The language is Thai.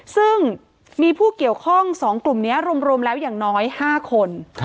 ซึ่งมีผู้เกี่ยวข้อง๒กลุ่มนี้รวมแล้วอย่างน้อย๕คน